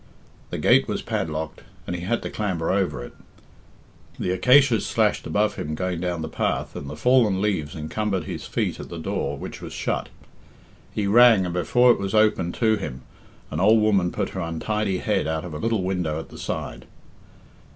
The gate was padlocked, and he had to clamber over it; the acacias slashed above him going down the path, and the fallen leaves encumbered his feet At the door, which was shut, he rang, and before it was opened to him an old woman put her untidy head out of a little window at the side.